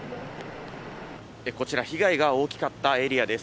こちら、被害が大きかったエリアです。